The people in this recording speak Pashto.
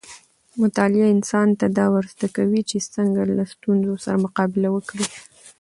مطالعه انسان ته دا ورزده کوي چې څنګه له ستونزو سره مقابله وکړي.